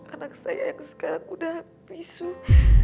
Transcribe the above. anak saya yang sekarang udah pisuk